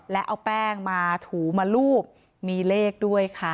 และเอาแป้งมาถูมารูปมีเลขด้วยค่ะ